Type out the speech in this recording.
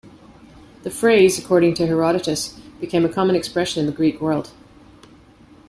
The phrase, according to Herodotus, became a common expression in the Greek world.